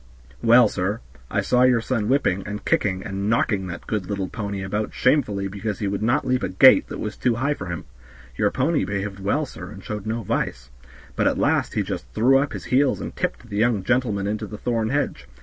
"Well, sir, I saw your son whipping, and kicking, and knocking that good little pony about shamefully because he would not leap a gate that was too high for him. The pony behaved well, sir, and showed no vice; but at last he just threw up his heels and tipped the young gentleman into the thorn hedge.